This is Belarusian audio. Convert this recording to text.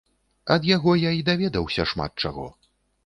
Ад яго і я даведаўся шмат чаго.